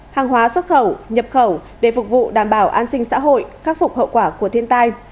hàng hóa xuất khẩu nhập khẩu để phục vụ đảm bảo an sinh xã hội khắc phục hậu quả của thiên tai